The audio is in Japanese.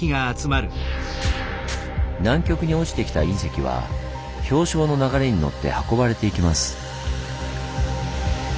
南極に落ちてきた隕石は氷床の流れに乗って運ばれていきます。